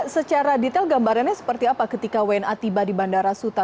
secara detail gambarannya seperti apa ketika wna tiba di bandara suta